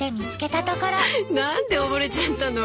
何で溺れちゃったの？